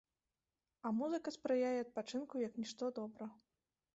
А музыка спрыяе адпачынку як нішто добра.